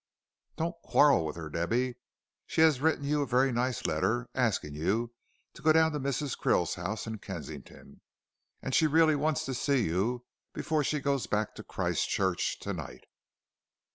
"Don't quarrel with her, Debby. She has written you a very nice letter, asking you to go down to Mrs. Krill's house in Kensington, and she really wants to see you before she goes back to Christchurch to night."